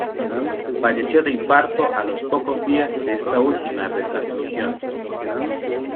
Falleció de infarto a los pocos días de esta última retransmisión.